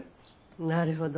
なるほど。